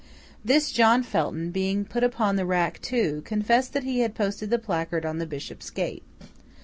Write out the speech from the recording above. This John Felton, being put upon the rack too, confessed that he had posted the placard on the Bishop's gate.